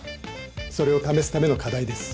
それを試すための課題です。